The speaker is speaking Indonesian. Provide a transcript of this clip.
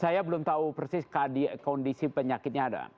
saya belum tahu persis kondisi penyakitnya ada